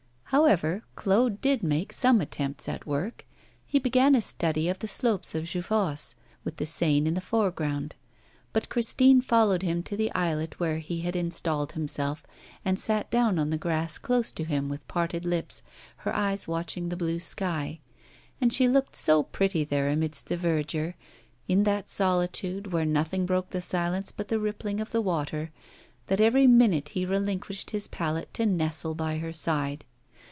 However, Claude did make some attempts at work. He began a study of the slopes of Jeufosse, with the Seine in the foreground; but Christine followed him to the islet where he had installed himself, and sat down on the grass close to him with parted lips, her eyes watching the blue sky. And she looked so pretty there amidst the verdure, in that solitude, where nothing broke the silence but the rippling of the water, that every minute he relinquished his palette to nestle by her side.